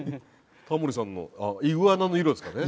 タモリさんのあっイグアナの色ですかね。